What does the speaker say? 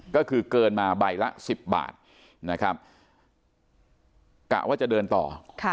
ก็คือเกินมาใบละ๑๐บาทนะครับกะว่าจะเดินต่อ